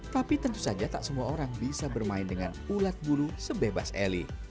tapi tentu saja tak semua orang bisa bermain dengan ulat bulu sebebas eli